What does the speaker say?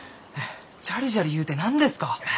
ジャリジャリゆうて何ですか？